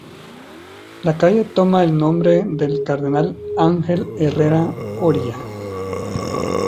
La calle toma el nombre del cardenal Ángel Herrera Oria.